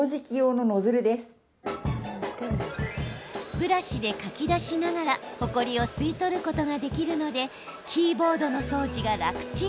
ブラシでかき出しながらほこりを吸い取ることができるのでキーボードの掃除が楽ちん。